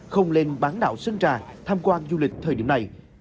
không lên bán đảo sơn trà tham quan du lịch thời điểm này